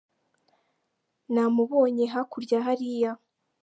namubonye hakurya hariya.